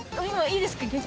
今いいですか？